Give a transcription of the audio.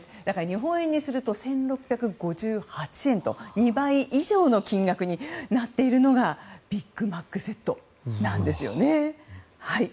日本円にすると１６５８円と２倍以上の金額になっているのがビッグマックセットなんですね。